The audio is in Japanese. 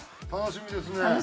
楽しみですね。